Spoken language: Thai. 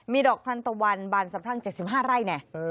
มีดอกทันตะวันบานสำหรัง๗๕ไร่